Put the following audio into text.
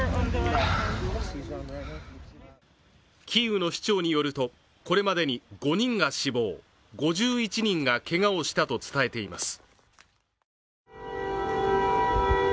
キーウの市長によると、これまでに５人が死亡５１人がけがをしたと伝えています。